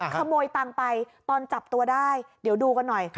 ขโมยตังค์ไปตอนจับตัวได้เดี๋ยวดูกันหน่อย